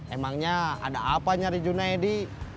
emangnya ada apa nyari junaidi